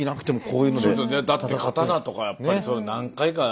だって刀とかやっぱり何回かねえ